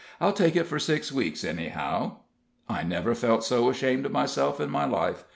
"I'll take it for six weeks, anyhow." I never felt so ashamed of myself in my life.